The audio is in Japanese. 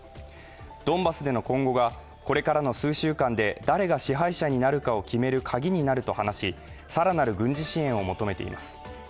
ドンバスでの今後がこれからの数週間で誰が支配者になるかを決めるカギになると話し、更なる軍事支援を求めています。